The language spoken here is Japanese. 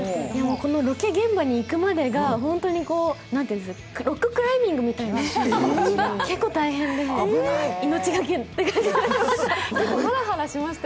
このロケ現場に行くまでが、本当にロッククライミングみたいで結構大変で、命懸けって感じでした